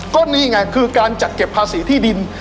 ก็นี่ไงคือการจัดเก็บภาษีที่ดิน